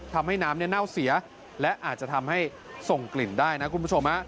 ทำให้น้ำเน่าเสียและอาจจะทำให้ส่งกลิ่นได้นะคุณผู้ชม